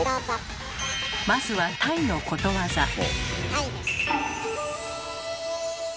まずはタイのことわざ。